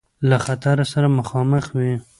له خطر سره مخامخ وي.